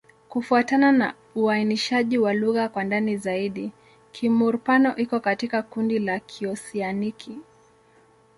Kufuatana na uainishaji wa lugha kwa ndani zaidi, Kimur-Pano iko katika kundi la Kioseaniki.